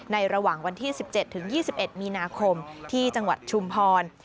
ในระหว่างวันที่สิบเจ็ดถึงยี่สิบเอ็ดมีนาคมที่จังหวัดชุมพร